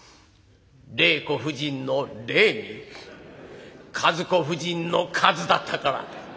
令子夫人の「令」に和子夫人の「和」だったから。